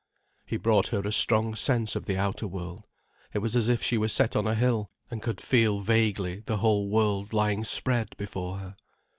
He brought her a strong sense of the outer world. It was as if she were set on a hill and could feel vaguely the whole world lying spread before her.